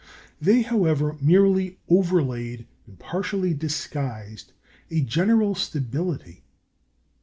They, however, merely overlaid, and partially disguised, a general stability.